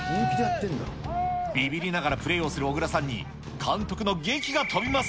びびりながらプレーをする小倉さんに、監督のげきが飛びます。